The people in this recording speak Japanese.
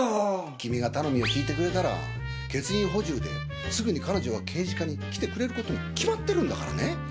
君が頼みを聞いてくれたら欠員補充ですぐに彼女が刑事課に来てくれることに決まってるんだからね